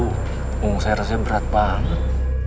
punggung saya rasanya berat banget